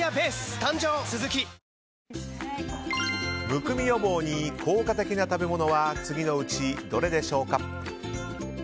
むくみ予防に効果的な食べ物は次のうちどれでしょうか。